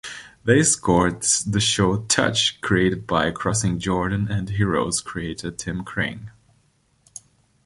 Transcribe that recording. They scored the show "Touch" created by "Crossing Jordan" and "Heroes" creator, Tim Kring.